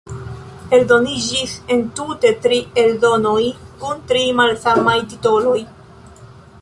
Eldoniĝis entute tri eldonoj kun tri malsamaj titoloj.